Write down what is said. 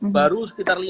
baru sekitar lima hari